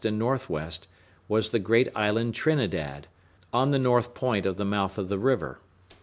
and NW., was the great island Trinidad, on the north point of the mouth of the river.